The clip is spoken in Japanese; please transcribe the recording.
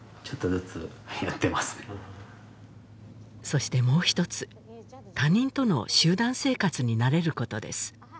そしてもう一つ他人との集団生活に慣れることです